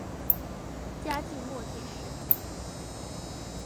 嘉靖末进士。